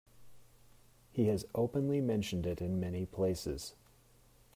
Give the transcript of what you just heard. He has openly mentioned it in many places.